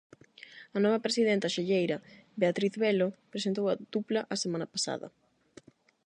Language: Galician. A nova presidenta xalleira Beatriz Velo presentou a dupla a semana pasada.